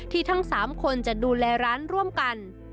ทั้ง๓คนจะดูแลร้านร่วมกัน